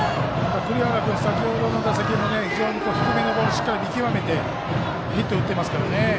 栗原君、先ほどの打席も非常に低めのボールしっかり見極めてヒットを打ってますからね。